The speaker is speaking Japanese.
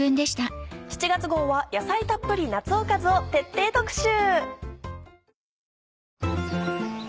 ７月号は「野菜たっぷり夏おかず」を徹底特集。